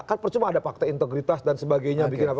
kan percuma ada fakta integritas dan sebagainya